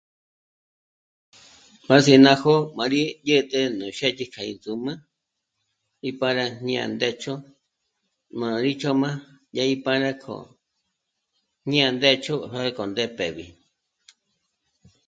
M'âs'i ná jó'o m'á gí dyä̀t'ä nú xëdyi kja índzǔmü y para jñā́'ā ndécho m'â'a rí ch'óm'a dyà gí para k'o ñiandécho j'á'a k'o ndé pë̄́b'í